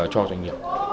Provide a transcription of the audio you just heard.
cho doanh nghiệp